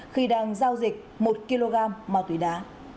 khi đang giao dịch một kg ma túy đá